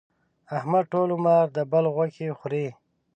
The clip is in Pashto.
احمد ټول عمر د بل غوښې خوري.